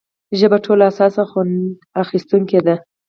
ژبه ټولو حساس خوند اخیستونکې ده.